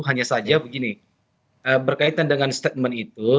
hanya saja begini berkaitan dengan statement itu